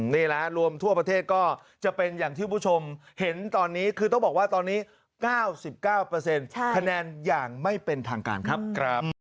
นี่แหละรวมทั่วประเทศก็จะเป็นอย่างที่ผู้ชมเห็นตอนนี้คือต้องบอกว่าตอนนี้๙๙คะแนนอย่างไม่เป็นทางการครับ